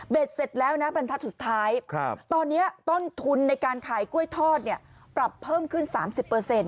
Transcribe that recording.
เสร็จแล้วนะบรรทัศน์สุดท้ายตอนนี้ต้นทุนในการขายกล้วยทอดเนี่ยปรับเพิ่มขึ้น๓๐